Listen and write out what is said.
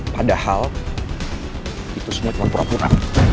padahal itu semua cuma pura pura